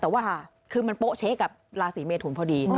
แต่ว่าคือมันโป๊เช๊กกับราศีเมทุนพอดี